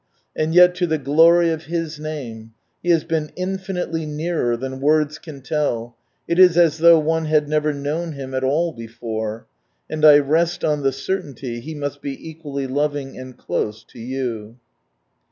... And yet to the glory of His Name — He has been infinitely nearer than words can tell ; it is as though one had never known Him at all before. And I rest on the certainty He be equally loving, and close, to you.